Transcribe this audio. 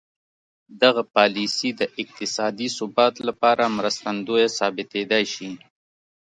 دغه پالیسي د اقتصادي ثبات لپاره مرستندویه ثابتېدای شي.